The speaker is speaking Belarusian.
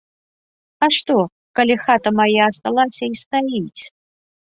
А што, калі хата мая асталася і стаіць?